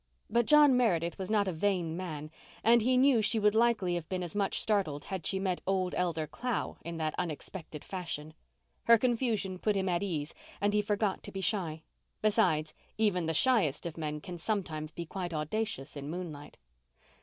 But John Meredith was not a vain man and he knew she would likely have been as much startled had she met old Elder Clow in that unexpected fashion. Her confusion put him at ease and he forgot to be shy; besides, even the shyest of men can sometimes be quite audacious in moonlight.